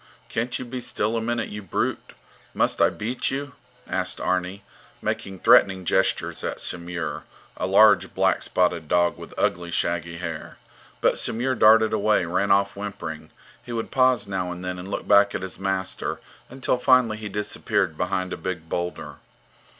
Can't you be still a minute, you brute? Must I beat you? asked Arni, making threatening gestures at Samur, a large, black spotted dog with ugly, shaggy hair. But Samur darted away, ran off whimpering; he would pause now and then and look back at his master, until finally he disappeared behind a big boulder.